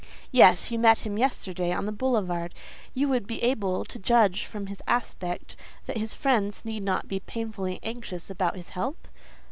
"Yes: you met him yesterday on the boulevard; you would be able to judge from his aspect that his friends need not be painfully anxious about his health?"